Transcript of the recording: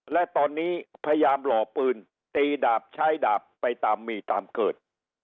และตอนนี้พยายามหล่อปืนตีดาบใช้ดาบไปตามมีตามเกิด